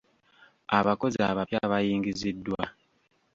Abakozi abapya bayingiziddwa.